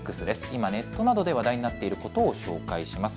今ネットなどで話題になっていることを紹介します。